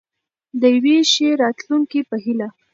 د یوې ښې راتلونکې په هیله.